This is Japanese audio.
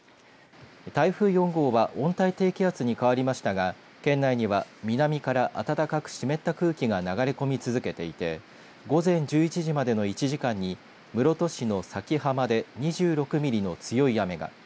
台風４号は温帯低気圧に変わりましたが県内には、南から暖かく湿った空気が流れ込み続けていて午前１１時までの１時間に室戸市の佐喜浜で２６ミリの強い雨が。